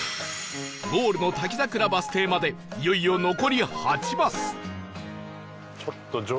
ゴールの滝桜バス停までいよいよ残り８マスありがとう！